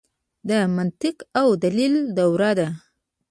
د منطق او دلیل دوره ده.